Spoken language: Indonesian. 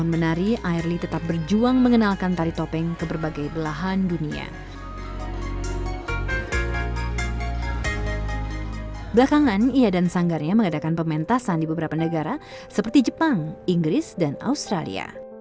ketika menjadi ibu dia menjadi ibu terbaik bagi kami